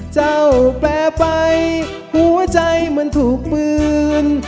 เจ้าแปลไปหัวใจมันถูกปืน